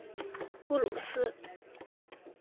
布鲁斯。